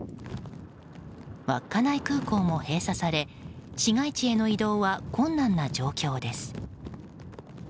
稚内空港も閉鎖され市街地への移動は困難な状況です。